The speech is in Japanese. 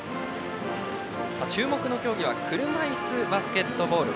注目の競技は車いすバスケットボール。